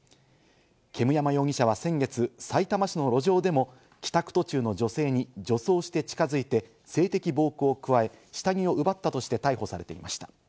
煙山容疑者は先月、さいたま市の路上でも、帰宅途中の女性に女装して近づいて性的暴行を加え、下着を奪ったとして逮捕されていました。